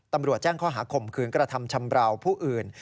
ตำรวจแจ้งข้อหาข่มขืนกระทำชำราวผู้อื่น